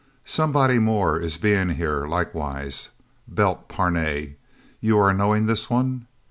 Somebody more is being here, likewise. Belt Parnay. You are knowing this one?